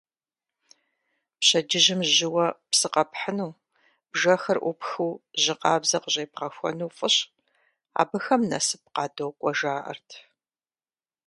Пщэдджыжьым жьыуэ псы къэпхьыну, бжэхэр Ӏупхыу жьы къабзэ къыщӀебгъэхуэну фӀыщ: абыхэм насып къадокӀуэ, жаӀэрт.